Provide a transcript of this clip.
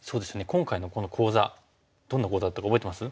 今回のこの講座どんなことだったか覚えてます？